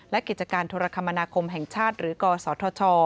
และกิจการโทรคมนาคมแห่งชาติหรือกศธช